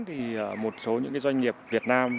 thì một số những cái doanh nghiệp việt nam